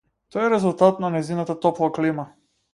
Тоа е резултат на нејзината топла клима.